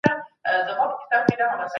مرګ هیڅ درد نه لري.